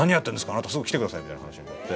あなたすぐ来てください」みたいな話になって。